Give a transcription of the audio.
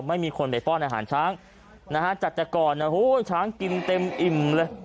ไม่มีคนไปป้อนอาหารช้างนะฮะจัดแต่ก่อนช้างกินเต็มอิ่มเลย